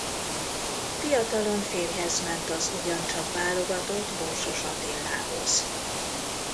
Fiatalon férjhez ment az ugyancsak válogatott Borsos Attilához.